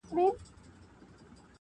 بس دعوه یې بې له شرطه و ګټله-